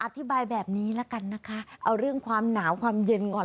อธิบายแบบนี้ละกันนะคะเอาเรื่องความหนาวความเย็นก่อน